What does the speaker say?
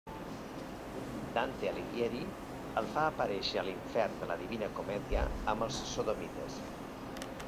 Dante Alighieri el fa aparèixer a l'Infern de la Divina Comèdia, amb els sodomites.